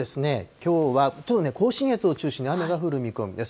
きょうはちょっとね、甲信越を中心に雨が降る見込みです。